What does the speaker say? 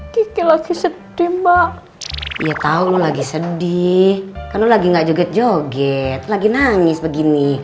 kiki lagi sedih mbak iya tahu lagi sedih kamu lagi nggak joget joget lagi nangis begini